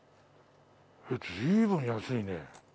随分安いね。